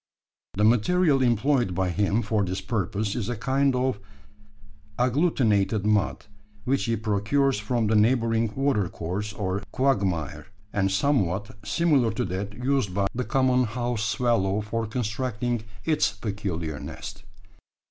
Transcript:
The material employed by him for this purpose is a kind of agglutinated mud, which he procures from the neighbouring watercourse or quagmire, and somewhat similar to that used by the common house swallow for constructing its peculiar nest.